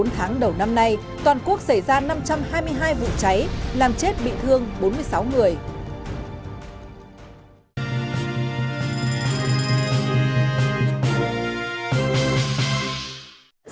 bốn tháng đầu năm nay toàn quốc xảy ra năm trăm hai mươi hai vụ cháy làm chết bị thương bốn mươi sáu người